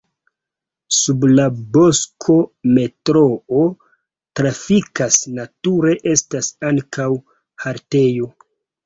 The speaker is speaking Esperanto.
Sub la bosko metroo trafikas, nature estas ankaŭ haltejo.